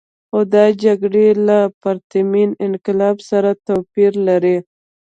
خو دا جګړې له پرتمین انقلاب سره توپیر لري.